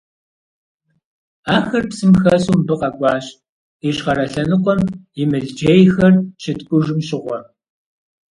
Ахэр псым хэсу мыбы къэкӀуащ, ищхъэрэ лъэныкъуэм и мылджейхэр щыткӀужым щыгъуэ.